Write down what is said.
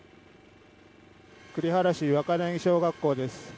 栗原市、若柳小学校です。